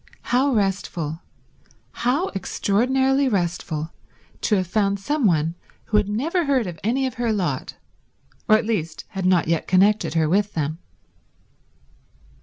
How restful, how extraordinarily restful to have found some one who had never heard of any of her lot, or at least had not yet connected her with them.